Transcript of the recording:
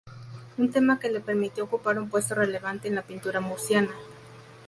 Un tema que le permitió ocupar un puesto relevante en la pintura murciana.